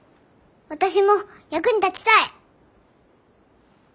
私も役に立ちたい。